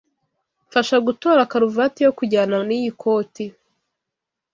Mfasha gutora karuvati yo kujyana niyi koti.